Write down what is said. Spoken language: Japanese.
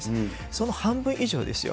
その半分以上ですよ。